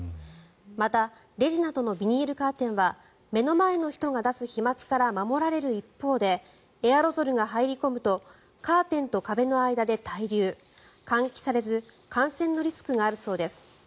またレジなどのビニールカーテンは目の前の人が出す飛まつから守られる一方でエアロゾルが入り込むとカーテンと壁の間で滞留換気されず感染のリスクがあるそうです。